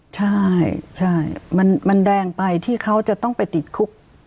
ใช่มันแรงไปที่เขาจะต้องไปติดคุก